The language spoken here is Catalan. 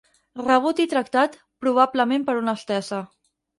Rebut i tractat, probablement per una hostessa.